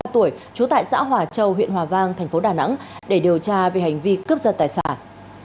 bốn mươi ba tuổi chú tại xã hòa châu huyện hòa vang thành phố đà nẵng để điều tra về hành vi cướp dân tài sản